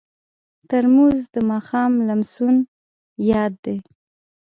ترموز د ماښام لمسون یاد دی.